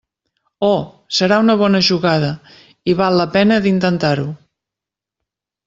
Oh!, serà una bona jugada, i val la pena d'intentar-ho.